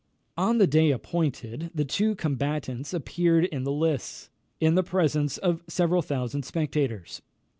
On the day appointed, the two combatants appeared in the lists, in the presence of several thousand spectators.